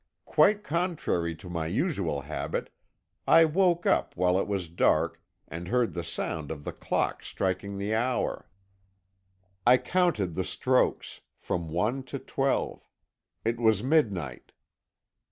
"Quite contrary to my usual habit, I woke up while it was dark, and heard the sound of the clock striking the hour. I counted the strokes, from one to twelve. It was midnight.